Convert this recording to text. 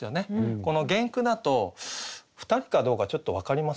この原句だと２人かどうかちょっと分かりませんよね。